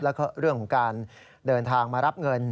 แล้วก็เรื่องของการเดินทางมารับเงิน